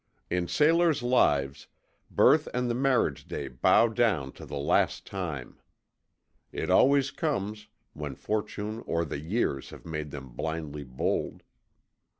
In sailors' lives, birth and the marriage day bow down to the Last Time. It always comes, when Fortune or the years have made them blindly bold.